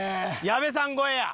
矢部さん超えや。